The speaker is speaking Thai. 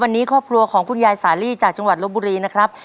วันนี้ครอบครัวของคุณยายสาลีจากจังหวัดลบบุรีนะครับ